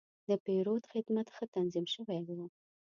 د پیرود خدمت ښه تنظیم شوی و.